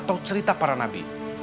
atau cerita para nabi